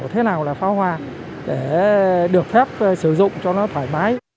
thế nào là pháo hoa để được phép sử dụng cho nó thoải mái